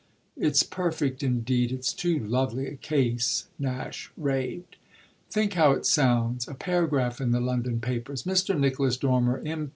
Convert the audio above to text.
"It's perfect indeed, it's too lovely a case," Nash raved. "Think how it sounds a paragraph in the London papers: 'Mr. Nicholas Dormer, M.